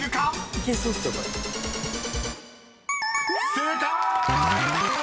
［正解！］